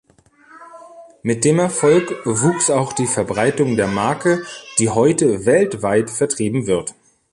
Mit dem Erfolg wuchs auch die Verbreitung der Marke, die heute weltweit vertrieben wird.